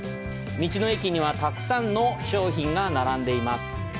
道の駅にはたくさんの商品が並んでいます。